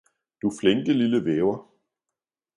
- Du flinke, lille Væver!